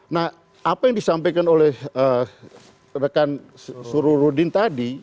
nah apa yang disampaikan oleh rekan suruh rudin tadi